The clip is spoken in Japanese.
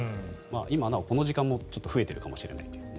今なお、この時間も増えているかもしれないと。